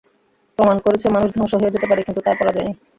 প্রমাণ করেছ, মানুষ ধ্বংস হয়ে যেতে পারে, কিন্তু তার পরাজয় নেই।